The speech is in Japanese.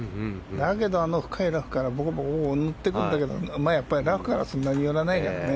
だけど、あの深いラフからぼこぼこ乗ってくるんだけどラフからそんなに寄らないからね。